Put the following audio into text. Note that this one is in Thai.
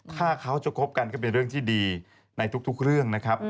ถ้าเขาจะคบกันก็เป็นเรื่องที่ดีในทุกเรื่องนะครับ